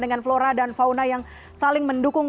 dengan flora dan fauna yang saling mendukung